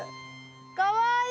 かわいい！